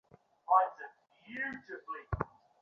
আমাদের লোক কেমন আছেন?